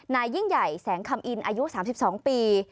นายยิ่งใหญ่แสงคำอินอายุ๓๒ปี